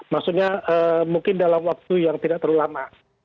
maksudnya mungkin dalam waktu yang tidak terlalu lama